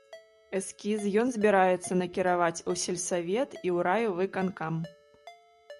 Эскіз ён збіраецца накіраваць у сельсавет і ў райвыканкам.